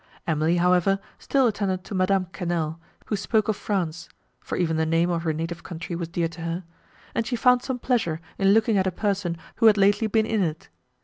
Emily, however, still attended to Madame Quesnel, who spoke of France (for even the name of her native country was dear to her) and she found some pleasure in looking at a person, who had lately been in it.